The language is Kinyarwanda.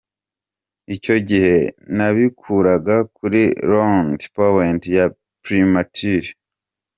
Icyo gihe nabikuraga kuri rond point ya Primature.